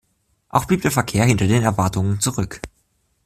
Auch blieb der Verkehr hinter den Erwartungen zurück.